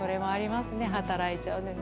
働いちゃうよね